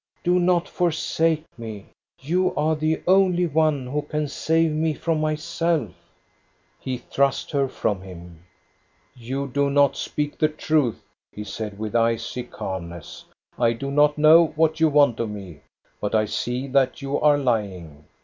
Do not forsake me! You are the only one who can save me from myself." THE AUCTION AT BJORNE 1 65 He thrust her from him. "You do not speak the truth," he said with icy calmness. " I do not know what you want of me, but I see that you are lying.